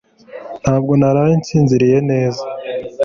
Ntabwo naraye nsinziriye neza